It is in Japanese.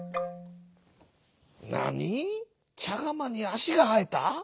「なに？ちゃがまにあしがはえた？